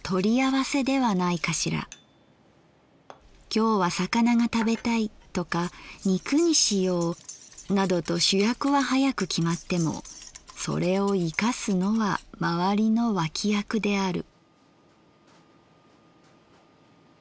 今日は魚が食べたいとか肉にしようなどと主役は早く決まってもそれを生かすのはまわりの脇役である」。